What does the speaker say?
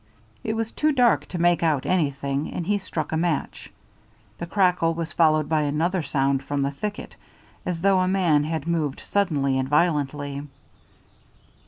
It was too dark to make out anything, and he struck a match. The crackle was followed by another sound from the thicket, as though a man had moved suddenly and violently.